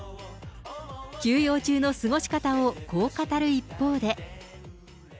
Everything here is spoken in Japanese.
休養中の過ごし方をこう語る一方で。